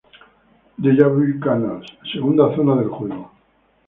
Deja vu canals: Segunda zona del juego.